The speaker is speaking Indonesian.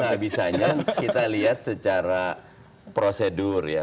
bisa nggak bisanya kita lihat secara prosedur ya